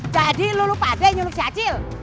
jadi lu lupa deh nyuluk si acil